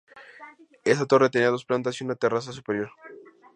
Esta torre tenía dos plantas y una terraza superior.